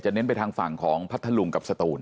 เน้นไปทางฝั่งของพัทธลุงกับสตูน